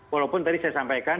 walaupun tadi saya sampaikan